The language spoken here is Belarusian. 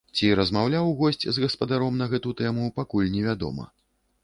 Ці размаўляў госць з гаспадаром на гэту тэму, пакуль не вядома.